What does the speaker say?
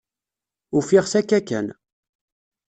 Ufiɣ-t akka kan.